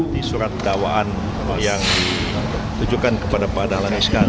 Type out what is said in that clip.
di surat dakwaan yang ditujukan kepada pak dahlan iskan